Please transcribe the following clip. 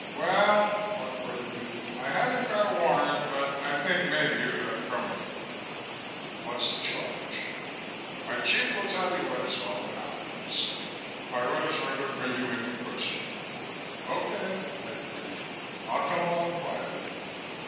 "Well," Harcourt admitted, "I haven't got a warrant but I think maybe you better come with me." "What's the charge?" "My chief will tell you what it's all about," he said. "My orders were to bring you in for questioning." "Okay," I agreed. "I'll come along quietly.